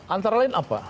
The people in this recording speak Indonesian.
antara lain apa